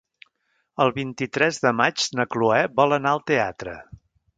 El vint-i-tres de maig na Cloè vol anar al teatre.